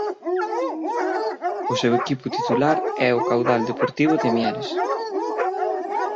O seu equipo titular é o Caudal Deportivo de Mieres.